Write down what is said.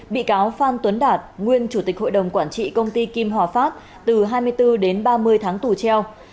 bị cáo phan tuấn đạt nguyên chủ tịch hội đồng quản trị công ty kim hòa phát từ hai mươi bốn đến ba mươi tháng tù treo